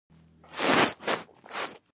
هېواد پرمختللی او هوسا نه شو ګڼلای.